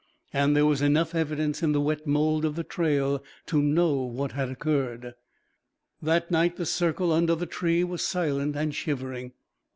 And there was enough evidence in the wet mould of the trail to know what had occurred. That night the circle under the tree was silent and shivering.